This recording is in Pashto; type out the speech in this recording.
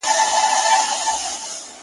،کور ته د صنم ځو تصویرونو ته به څه وایو،